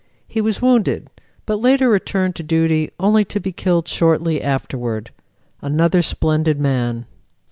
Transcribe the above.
He was wounded, but later returned to duty only to be killed shortly afterward. Another splendid man.